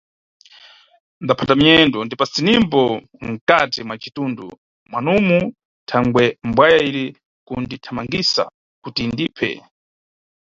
Ndaphata minyendo, ndibisenimbo mkati mwa citundu mwanumu thangwe mbwaya iri kundithamangisa kuti indiphe.